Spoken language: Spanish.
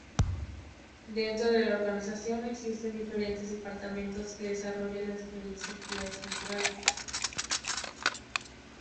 Dentro de la organización existen diferentes departamentos que desarrollan las diferentes actividades culturales.